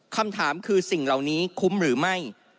คำถามคือสิ่งเหล่านี้คุ้มหรือไม่